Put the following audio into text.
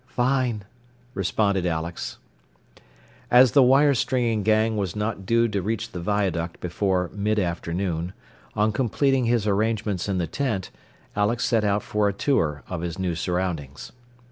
"Fine," responded Alex. As the wire stringing gang was not due to reach the viaduct before mid afternoon, on completing his arrangements in the tent, Alex set out for a tour of his new surroundings.